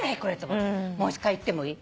もう一回言ってもいい？